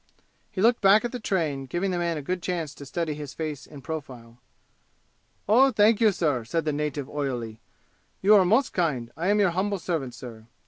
He looked back at the train, giving the man a good chance to study his face in profile. "Oh, thank you, sir!" said the native oilily. "You are most kind! I am your humble servant, sir!"